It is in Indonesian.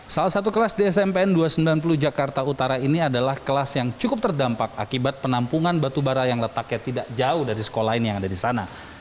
salah satu kelas di smpn dua ratus sembilan puluh jakarta utara ini adalah kelas yang cukup terdampak akibat penampungan batubara yang letaknya tidak jauh dari sekolah ini yang ada di sana